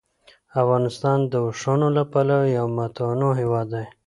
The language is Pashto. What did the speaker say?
افغانستان د اوښانو له پلوه یو متنوع هېواد دی.